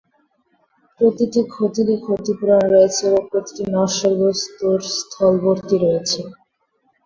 প্রতিটি ক্ষতিরই ক্ষতিপূরণ রয়েছে এবং প্রতিটি নশ্বর বস্তুর স্থলবর্তী রয়েছে।